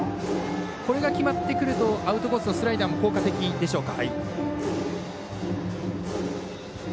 これが決まってくるとアウトコースのスライダーも効果的でしょうか。